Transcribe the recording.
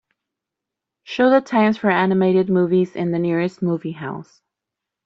Show the times for animated movies in the nearest movie house